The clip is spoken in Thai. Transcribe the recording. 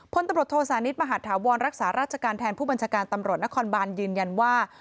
พลตำรวจโทษานิทมหาธาวรรักษาราชการแทนผู้บัญชาการตำรวจนครบานยืนยันว่า